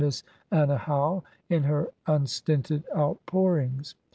Miss Anna Howe, in her unstinted outpourings.